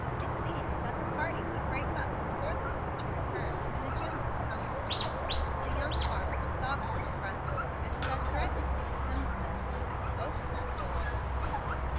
It seemed that the party would break up, before the minister returned, in a general tumult. The young farmer stalked to the front door, and said threateningly to Hemstead, "Open that door."